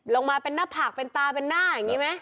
ลงมาเป็นหน้าผากเป็นตาเป็นหน้าอย่างนี้ไหม